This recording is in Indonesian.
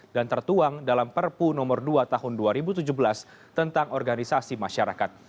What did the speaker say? dan tertuang dalam perpu no dua tahun dua ribu tujuh belas tentang organisasi masyarakat